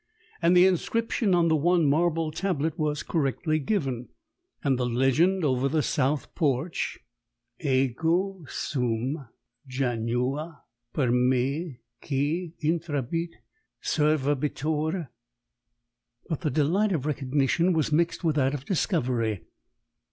And the inscription on the one marble tablet was correctly given, and the legend over the south porch: "Ego sum Janua, per me qui intrabit Servabitur" But the delight of recognition was mixed with that of discovery.